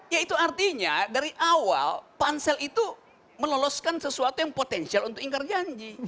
ya itu artinya dari awal pansel itu meloloskan sesuatu yang potensial untuk ingkar janji